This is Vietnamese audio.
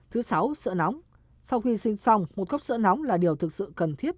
thứ sáu sợ nóng sau khi sinh xong một cốc sữa nóng là điều thực sự cần thiết